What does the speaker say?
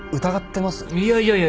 いやいやいや全然。